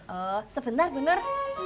oh sebentar bu nur